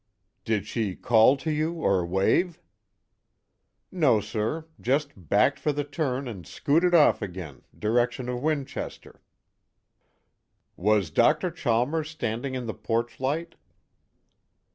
"Did she call to you, or wave?" "No, sir, just backed for the turn and scooted off again, direction of Winchester." "Was Dr. Chalmers standing in the porch light?"